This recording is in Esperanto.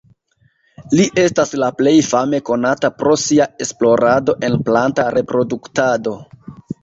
Li estas la plej fame konata pro sia esplorado en planta reproduktado.